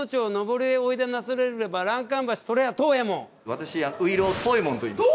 私外郎藤右衛門といいます。